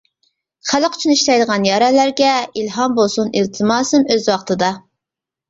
خەلق ئۈچۈن ئىشلەيدىغان يارەنلەرگە، ئىلھام بولسۇن ئىلتىماسىم ئۆز ۋاقتىدا.